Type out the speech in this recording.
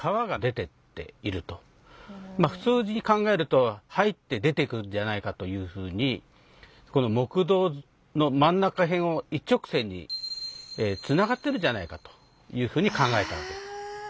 普通に考えると入って出てくんじゃないかというふうにこの木道の真ん中へんを一直線につながってるんじゃないかというふうに考えたわけです。